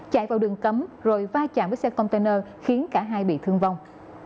chạy vào đường cấm rồi va chạm với xe container khiến cả hai bị thương vong